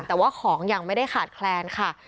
แต่ว่าของยังไม่ได้ขาดแคลนค่ะ